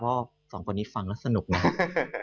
เพราะสองคนนี้ฟังแล้วสนุกนะ